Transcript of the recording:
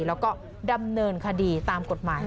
แล้วก็ดำเนินคดีตามกฎหมาย